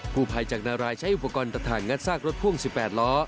ผู้ภัยจากนารายใช้อุปกรณ์ตัดทางงัดซากรถพ่วง๑๘ล้อ